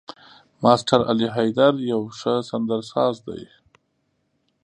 ماسټر علي حيدر يو ښه سندرساز دی.